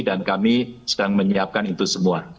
dan kami sedang menyiapkan itu semua